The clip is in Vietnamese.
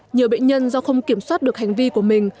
nhiều bệnh nhân do không kiểm soát được hành vi của mình